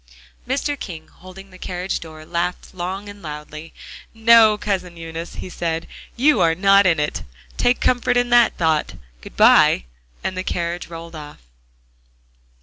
Mr. King, holding the carriage door, laughed long and loudly. "No, Cousin Eunice," he said, "you are not in it. Take comfort in that thought. Good by," and the carriage rolled off.